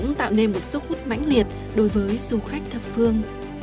cũng tạo nên một sức hút mãnh liệt đối với du khách thập phương